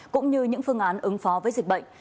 cũng như những phương án ứng phó với dịch bệnh